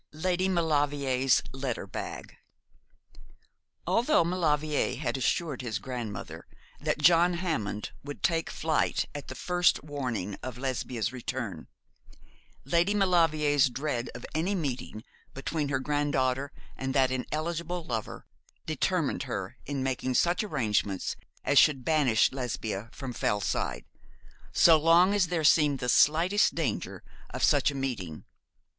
LADY MAULEVRIER'S LETTER BAG. Although Maulevrier had assured his grandmother that John Hammond would take flight at the first warning of Lesbia's return, Lady Maulevrier's dread of any meeting between her granddaughter and that ineligible lover determined her in making such arrangements as should banish Lesbia from Fellside, so long as there seemed the slightest danger of such a meeting.